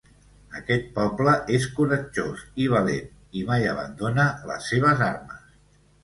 Aquest poble és coratjós i valent, i mai abandona les seves armes.